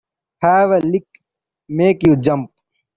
Have a lick make you jump.